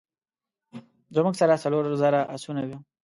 زموږ سره څلور زره آسونه وه.